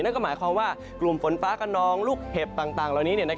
นั่นก็หมายความว่ากลุ่มฝนฟ้ากระนองลูกเห็บต่างเหล่านี้